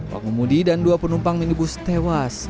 pengemudi dan dua penumpang minibus tewas